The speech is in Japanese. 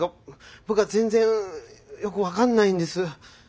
僕は全然よく分かんないんです。